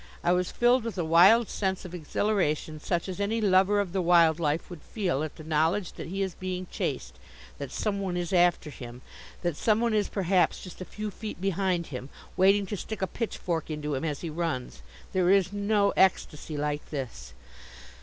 I was filled with a wild sense of exhilaration such as any lover of the wild life would feel at the knowledge that he is being chased, that some one is after him, that some one is perhaps just a few feet behind him, waiting to stick a pitchfork into him as he runs. There is no ecstasy like this.